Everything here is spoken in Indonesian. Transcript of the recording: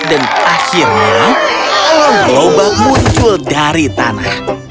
dan akhirnya lobak muncul dari tanah